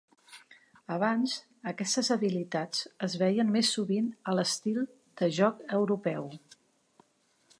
Abans, aquestes habilitats es veien més sovint a l'estil de joc europeu.